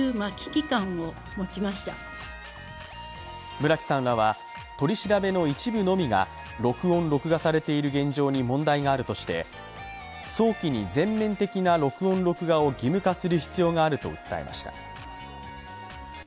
村木さんらは取り調べの一部のみが録音・録画されている現状に問題があるとして、早期に全面的な録音・録画を義務化する必要があると訴えました。